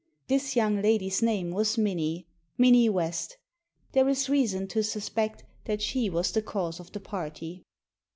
This young lady's name was Minnie — Minnie West There is reason to suspect that she was the cause of the party.